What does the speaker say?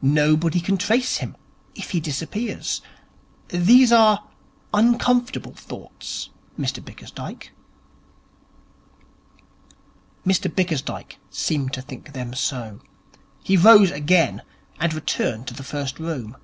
Nobody can trace him if he disappears. These are uncomfortable thoughts, Mr Bickersdyke.' Mr Bickersdyke seemed to think them so. He rose again, and returned to the first room.